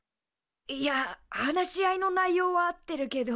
いや話し合いの内容は合ってるけど。